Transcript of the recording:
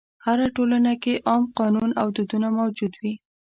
هره ټولنه کې عام قانون او دودونه موجود وي.